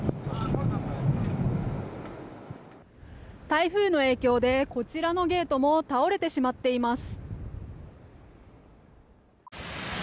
台風の影響でこちらのゲートも倒れてしまっています。